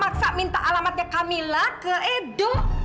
maksa maksa minta alamatnya kamila ke edo